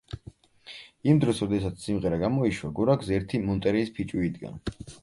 იმ დროს როდესაც სიმღერა გამოიშვა, გორაკზე ერთი მონტერეის ფიჭვი იდგა.